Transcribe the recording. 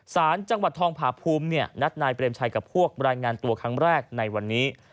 สารจังหวัดทองผาภูมินัดนายเปรมชัยกับพวกรายงานตัวครั้งแรกในวันนี้